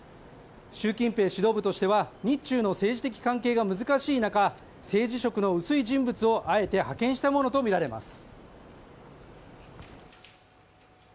習近平指導部としては日中の政治的関係が難しい中政治色の薄い人物をあえて派遣したものとみられます。